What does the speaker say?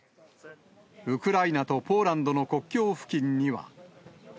ウクライナとポーランドの国境付近には。